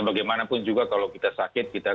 bagaimanapun juga kalau kita sakit kita